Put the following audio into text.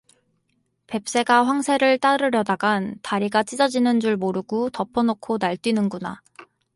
뱁새가 황새를 따르려다간 다리가 찢어지는 줄 모르구 덮어놓고 날뛰는구나.